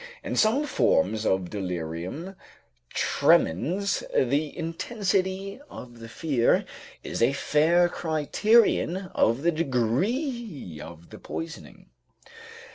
In some forms of delirium tremens, the intensity of the fear is a fair criterion of the degree of the poisoning.